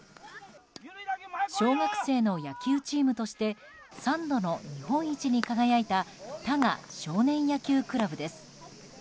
小学生の野球チームとして３度の日本一に輝いた多賀少年野球クラブです。